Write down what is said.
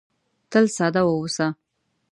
تل ساده واوسه .